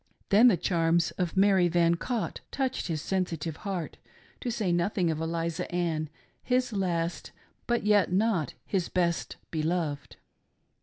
Then the charms of Mary Van Cott touched his sensitive heart, to say nothing of Eliza Ann, his last but yet not his best beloved.